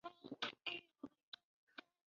格里隆人口变化图示